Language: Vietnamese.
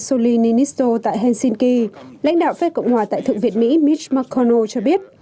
soli ninisto tại helsinki lãnh đạo phê cộng hòa tại thượng viện mỹ mitch mcconnell cho biết